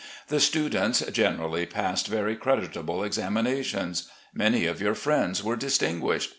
The students generally passed very creditable examinations. Many of your friends were distinguished.